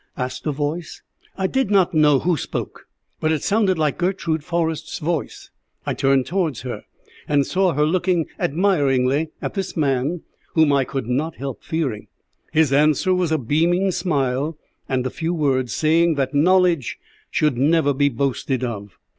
asked a voice. I did not know who spoke, but it sounded like Gertrude Forrest's voice. I turned towards her, and saw her looking admiringly at this man whom I could not help fearing. His answer was a beaming smile and a few words, saying that knowledge should never be boasted of.